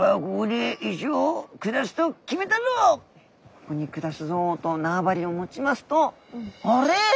ここに暮らすぞと縄張りを持ちますと「あれ？